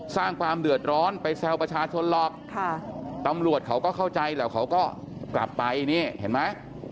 สร้างความเดือดร้อนไปแซวประชาชนหรอกตำรวจเขาก็เข้าใจแล้วเขาก็กลับไปนี่เห็นไหม